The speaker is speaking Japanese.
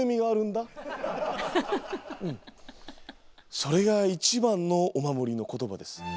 それが一番のお守りの言葉です。